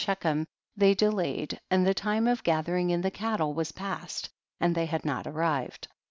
127 in Shechem they delayed, and the time of gathering in the cattle was passed, and they had not arrived.